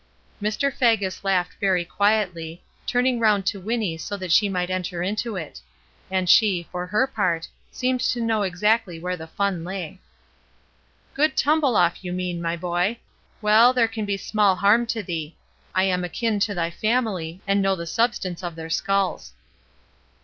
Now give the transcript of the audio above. Mr. Faggus laughed very quietly, turning round to Winnie so that she might enter into it. And she, for her part, seemed to know exactly where the fun lay. "Good tumble off, you mean, my boy. Well, there can be small harm to thee. I am akin to thy family, and know the substance of their skulls."